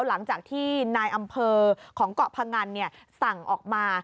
หลังจากที่นายอำเภอของเกาะพงันสั่งออกมา